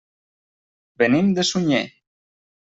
Venim de Sunyer.